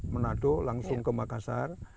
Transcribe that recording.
menado langsung ke makassar